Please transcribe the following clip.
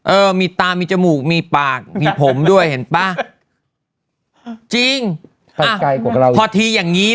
เออมีตามีจมูกมีปากมีผมด้วยเห็นป่ะจริงไปไกลกว่าเราพอทีอย่างงี้